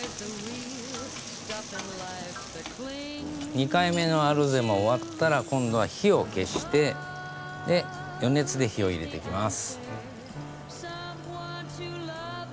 ２回目のアロゼも終わったら今度は火を消して余熱で火を入れていきます。